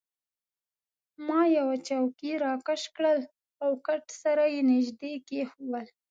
ما یوه چوکۍ راکش کړل او کټ سره يې نژدې کښېښوول.